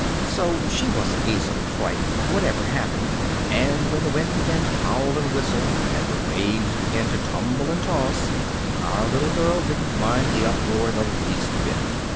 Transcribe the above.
So she wasn't easily frightened, whatever happened, and when the wind began to howl and whistle, and the waves began to tumble and toss, our little girl didn't mind the uproar the least bit.